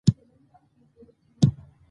زه نه غواړم چې اضطراب زما ژوند خراب کړي.